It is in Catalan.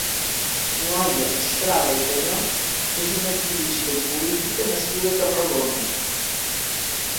Laia Estrada i Cañón és una activista i política nascuda a Tarragona.